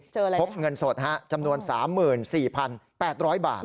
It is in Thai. เจออะไรพบเงินสดจำนวน๓๔๘๐๐บาท